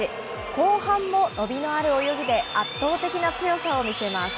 後半も伸びのある泳ぎで、圧倒的な強さを見せます。